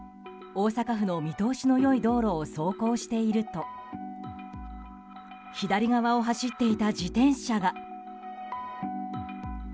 大阪府の見通しの良い道路を走行していると左側を走っていた自転車が。